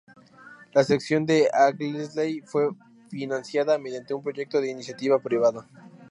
La sección de Anglesey fue financiada mediante un proyecto de iniciativa privada.